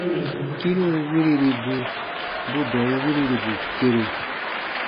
Kĩrun wiriribu bu dɔ̃ɔn wirirbu kere.